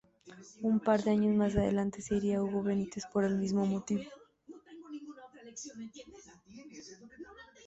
Un par de años mas adelante se iria Hugo Benitez por el mismo motivo.